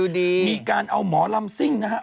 มีการเอาหมอลำซิ่งนะฮะ